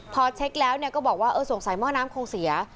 พอเช็คแล้วก็บอกว่าเออสงสัยหม้อน้ำคงเสีย